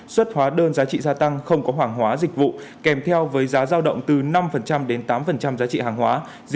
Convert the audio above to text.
xuất hóa đơn giá trị gia tăng không có hoảng hóa dịch vụ kèm theo với giá giao động từ năm đến tám giá trị hàng hóa